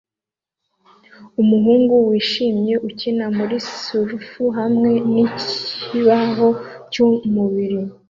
Umuhungu wishimye ukina muri surf hamwe n'ikibaho cy'umubiri